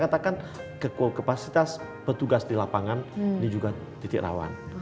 katakan kapasitas petugas di lapangan ini juga titik rawan